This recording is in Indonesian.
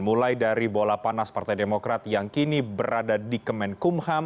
mulai dari bola panas partai demokrat yang kini berada di kemenkumham